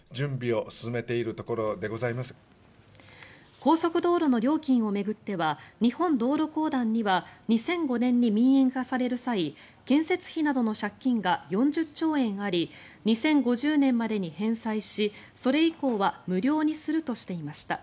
高速道路の料金を巡っては日本道路公団には２００５年に民営化される際建設費などの借金が４０兆円あり２０５０年までに返済しそれ以降は無料にするとしていました。